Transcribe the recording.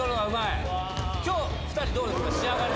今日２人どうですか？